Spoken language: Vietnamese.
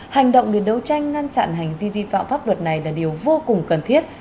hành động để đấu tranh ngăn chặn hành vi vi phạm pháp luật này là điều vô cùng cần thiết